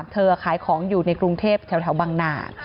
ขายของอยู่ในกรุงเทพแถวบังนา